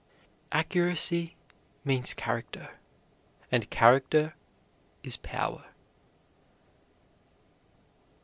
Accuracy means character, and character is power.